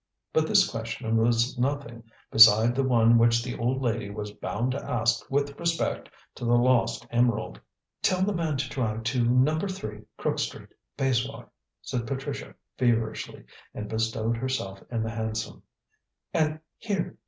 But this question was nothing beside the one which the old lady was bound to ask with respect to the lost emerald. "Tell the man to drive to No. III, Crook Street, Bayswater," said Patricia feverishly, and bestowed herself in the hansom; "and here!"